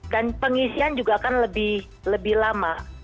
dan pengisian juga akan lebih lama